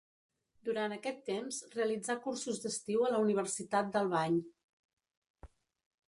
Durant aquest temps realitzà cursos d'estiu a la Universitat d'Albany.